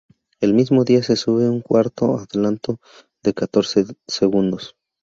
El mismo día se sube un cuarto adelanto de catorce segundos.